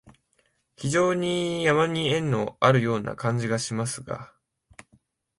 非常に山に縁のあるような感じがしますが、